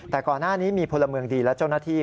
แต่ก่อนหน้านี้มีพลเมืองดีและเจ้าหน้าที่